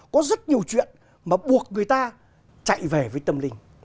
có rất nhiều chuyện mà buộc người ta chạy về với tâm linh